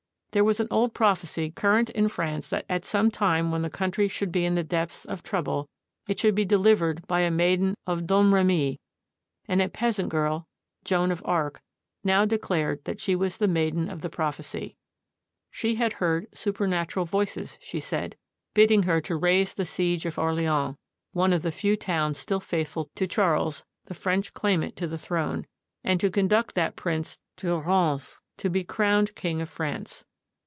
There was an old prophecy current in France that at some time when the country should be in the depths of trouble, it should be delivered by a maiden of Domremy ; and a peasant girl, Joan of Arc, now declared that she was the maiden of the prophecy. She had heard supernatural voices, she said, bidding her to raise the siege of Orleans, one of the few towns still faithful to Charles, the French claimant to the throne, and to conduct that prince to Rheims to be crowned king of France.